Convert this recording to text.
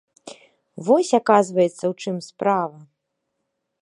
Вось, аказваецца, у чым справа!